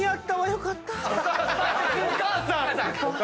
お母さん！